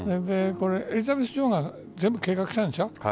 エリザベス女王が全部計画したんでしょう。